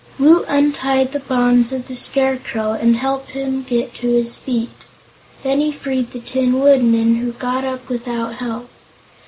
Woot untied the bonds of the Scarecrow and helped him to his feet. Then he freed the Tin Woodman, who got up without help.